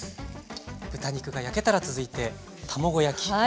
豚肉が焼けたら続いて卵焼きですね。